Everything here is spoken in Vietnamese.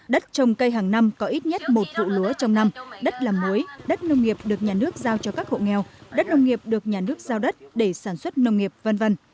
đất trồng cây hàng năm có ít nhất một vụ lúa trong năm đất làm muối đất nông nghiệp được nhà nước giao cho các hộ nghèo đất nông nghiệp được nhà nước giao đất để sản xuất nông nghiệp v v